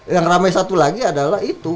yang ramai satu lagi adalah itu